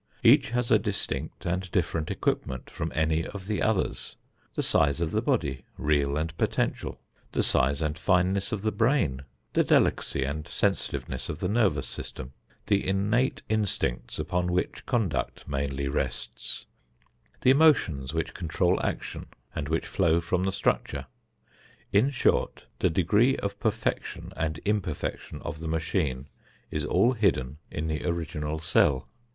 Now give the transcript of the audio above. Each has a distinct and different equipment from any of the others. The size of the body, real and potential; the size and fineness of the brain; the delicacy and sensitiveness of the nervous system; the innate instincts upon which conduct mainly rests; the emotions which control action and which flow from the structure in short, the degree of perfection and imperfection of the machine is all hidden in the original cell.